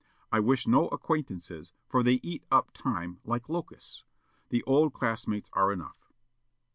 I wish no acquaintances, for they eat up time like locusts. The old class mates are enough."